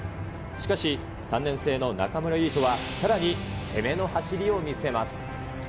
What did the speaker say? しかし、３年生の中村唯翔はさらに攻めの走りを見せます。